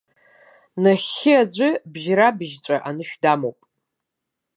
Нахьхьи аӡәы бжьра-быжьҵәа анышә дамоуп.